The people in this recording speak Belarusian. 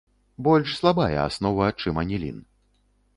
Больш слабая аснова, чым анілін.